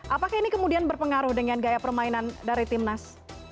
apakah ini kemudian berpengaruh dengan gaya permainan dari timnas